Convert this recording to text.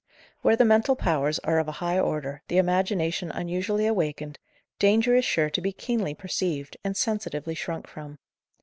Where the mental powers are of a high order, the imagination unusually awakened, danger is sure to be keenly perceived, and sensitively shrunk from.